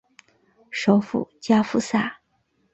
首府加夫萨。